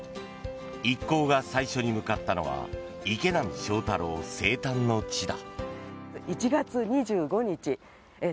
一行が最初に向かったのは池波正太郎生誕の地だ。